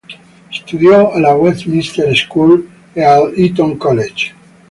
Studiò alla Westminster School e all'Eton College.